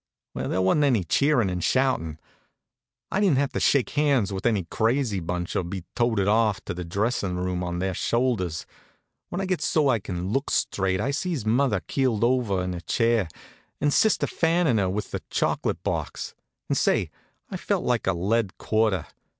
Well, there wa'n't any cheerin' and shoutin'. I didn't have to shake hands with any crazy bunch, or be toted off to the dressin' room on their shoulders. When I gets so I can look straight I sees mother keeled over in her chair, and sister fannin' her with the chocolate box. And say, I felt like a lead quarter.